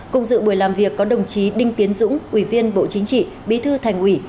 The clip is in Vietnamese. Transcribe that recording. cùng dự buổi làm việc có đồng chí đinh tiến dũng ủy viên bộ chính trị bí thư thành ủy